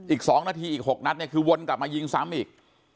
อีก๒นาทีอีก๖นัดเนี่ยคือวนกลับมายิงซ้ำอีก